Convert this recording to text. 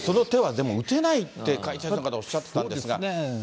その手は、でも打てないって解説者の方おっしゃってたんですが。